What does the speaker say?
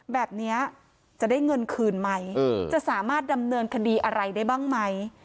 แบบนี้จะได้เงินคืนไหมจะสามารถดำเนินคดีอะไรได้บ้างไหม